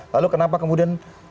lalu kenapa kemudian